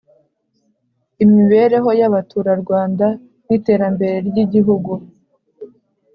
imibereho y abaturarwanda n iterambere ry igihugu